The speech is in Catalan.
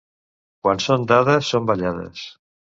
Quan són dades, són ballades.